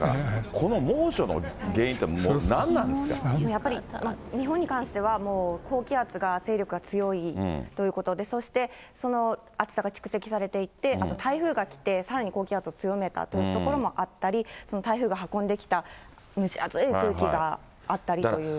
この猛暑の原因って、やっぱり日本に関しては、高気圧が勢力が強いということで、そしてその暑さが蓄積されていって、台風が来てさらに高気圧を強めたというところもあったり、台風が運んできた蒸し暑い空気があったりというような。